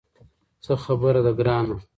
څه خبره ده ګرانه.